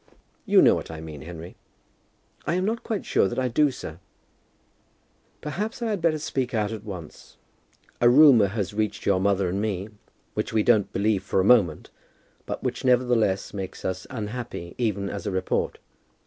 "You know what I mean, Henry." "I am not quite sure that I do, sir." "Perhaps I had better speak out at once. A rumour has reached your mother and me, which we don't believe for a moment, but which, nevertheless, makes us unhappy even as a report.